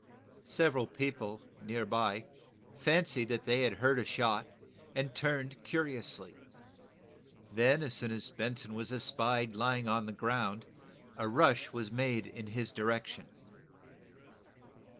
Several people, near by, fancied they had heard a shot, and turned, curiously. Then, as soon as Benson was espied lying on the ground a rush was made in his direction.